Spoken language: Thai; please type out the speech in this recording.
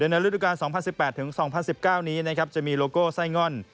ในฤดูกาล๒๐๑๘๒๐๑๙นี้จะมีโลโก้ไซ่ง่อน